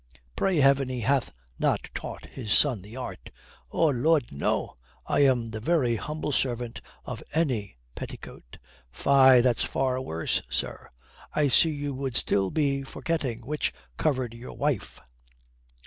"Pray heaven he hath not taught his son the art!" "Oh Lud, no, I am the very humble servant of any petticoat." "Fie, that's far worse, sir. I see you would still be forgetting which covered your wife."